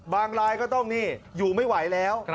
รายก็ต้องนี่อยู่ไม่ไหวแล้ว